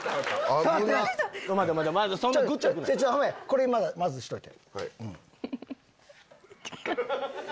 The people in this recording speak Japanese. これまずしといて。